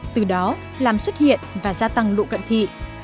từ đó làm xuất hiện và gia tăng độ cận thị